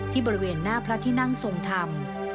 บริเวณหน้าพระที่นั่งทรงธรรม